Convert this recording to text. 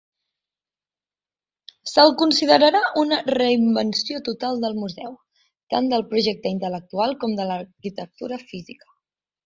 Se'l considerà una reinvenció total del museu, tant del projecte intel·lectual com de l'arquitectura física.